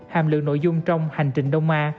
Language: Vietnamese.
hàm lượng nội dung trong hành trình đông ma